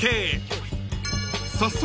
［早速］